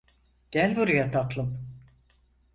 Gel buraya tatlım.